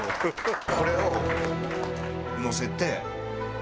これをのせて。